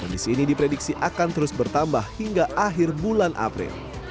kondisi ini diprediksi akan terus bertambah hingga akhir bulan april